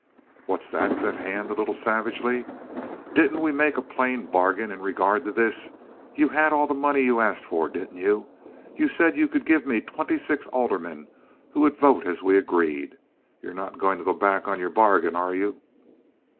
"What's that?" said Hand, a little savagely. "Didn't we make a plain bargain in regard to this? You had all the money you asked for, didn't you? You said you could give me twenty six aldermen who would vote as we agreed. You're not going to go back on your bargain, are you?"